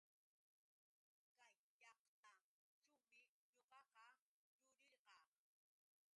Kay llaqtaćhuumi ñuqaqa yurirqaa.